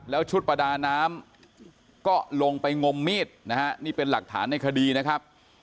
แล้วชุดประดาน้ำก็ลงไปงมมีดนะฮะนี่เป็นหลักฐานในคดีนะครับ